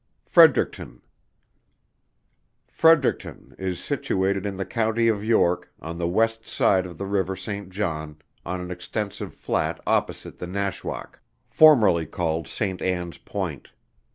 FREDERICTON. Is situated in the County of York, on the west side of the river Saint John on an extensive flat opposite the Nashwaack, formerly called Saint Anns point.